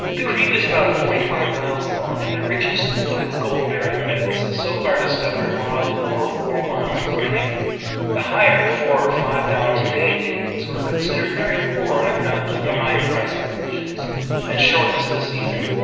The creek is about forty five miles long, and the richest of its gold bearing beds so far discovered were on the lower four miles of the creek; the higher four or five dollars a day diggings were considered very poor on account of the high price of provisions and shortness of the season.